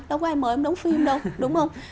đâu có ai mời em đóng phim đâu đúng không